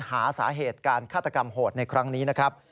หาสาเหตุการฆาตกรรมโหดในครั้งนี้นะครับ